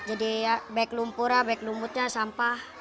jadi baik lumpurnya baik lumutnya sampah